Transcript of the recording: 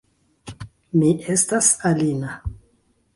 Mi estas Alina